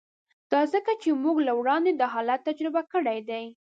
دا ځکه چې موږ له وړاندې دا حالت تجربه کړی دی